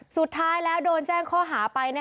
สุดท้ายแล้วโดนแจ้งข้อหาไป